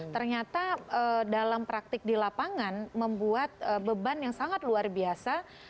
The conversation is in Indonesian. ternyata dalam praktik di lapangan membuat beban yang sangat luar biasa